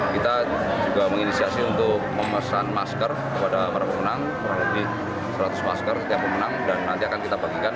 kita juga menginisiasi untuk memesan masker kepada para pemenang kurang lebih seratus masker setiap pemenang dan nanti akan kita bagikan